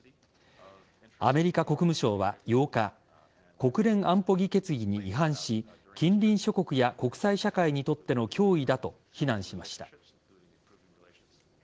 アメリカ国務省は８日国連安保理決議に違反し近隣諸国や国際社会にとっての脅威だと非難しました。